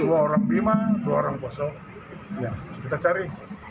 dua orang bima dua orang poso kita cari